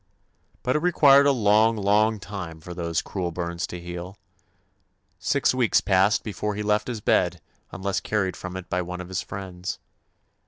But it re 183 THE ADVENTURES OF quired a long, long time for those cruel burns to heal. Six weeks passed before he left his bed unless carried from it by one of his friends.